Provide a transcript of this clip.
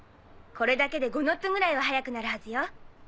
これだけで５ノットぐらいは速くなるはずよ。